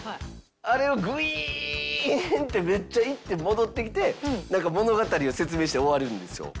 あれをグイーンってめっちゃいって戻ってきてなんか物語を説明して終わるんですよ。